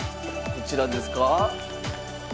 こちらですか？